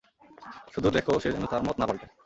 শুধু দেখো সে যেনো তার মত না পাল্টায়।